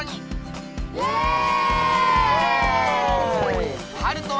イエイ！